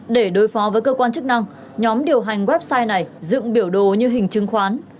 để đối phó với cơ quan chức năng nhóm điều hành website này dựng biểu đồ như hình chứng khoán